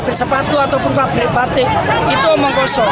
bersepatu ataupun pabrik batik itu omong kosong